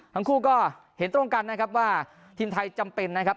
ทั้งคู่ก็เห็นตรงกันนะครับว่าทีมไทยจำเป็นนะครับ